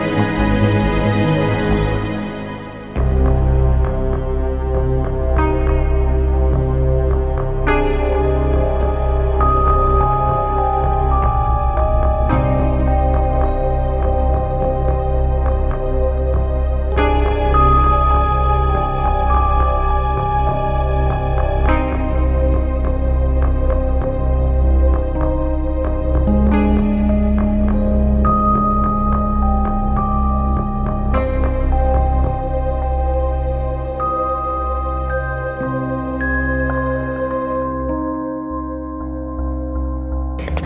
gak apa apa jagain terus guys